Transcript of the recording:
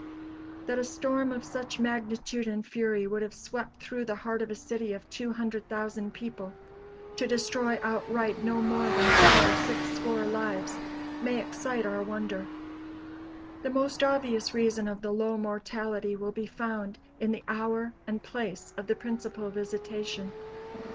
That a storm of such magnitude and fury should have swept through the heart of a city of 200,000 people, to destroy outright no more than five or six score lives, may excite our wonder. The most obvious reason of the low mortality will be found in the hour and place of the principal visitation.